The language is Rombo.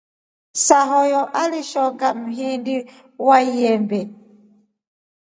Sahuyo alishonga mhini wa lyembee.